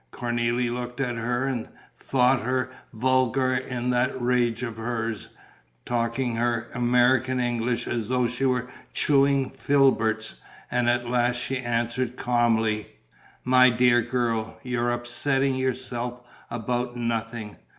Cornélie looked at her and thought her vulgar in that rage of hers, talking her American English, as though she were chewing filberts; and at last she answered, calmly: "My dear girl, you're upsetting yourself about nothing.